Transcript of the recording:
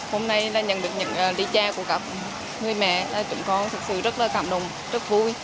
hôm nay là nhận được những lý cha của các người mẹ là chúng con thực sự rất là cảm động rất vui